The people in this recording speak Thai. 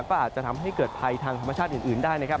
ก็อาจจะทำให้เกิดภัยทางธรรมชาติอื่นได้นะครับ